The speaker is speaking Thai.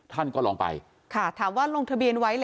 ท่านก็ลองไปค่ะถามว่าลงทะเบียนไว้